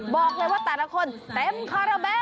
บอกเลยว่าแต่ละคนเต็มคาราเบล